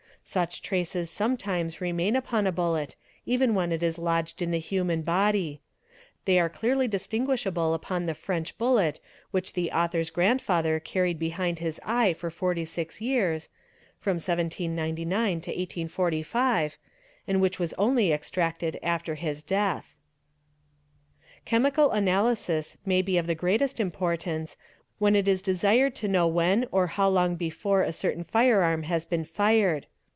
Such traces sometimes remain upon a bullet even when it is lodged in the huma IN FIREARMS 22.9 body; they were clearly distinguishable upon the French bullet which the author's grandfather carried behind his eye for 46 years (from sabia to 1845) and which was only extracted after his death. Chemical analysis may be of the greatest importance when it is desired to know when or how long before a certain firearm has been fired.